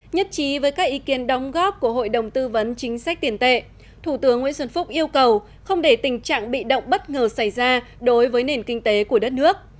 nhất trí với các ý kiến đóng góp của hội đồng tư vấn chính sách tiền tệ thủ tướng nguyễn xuân phúc yêu cầu không để tình trạng bị động bất ngờ xảy ra đối với nền kinh tế của đất nước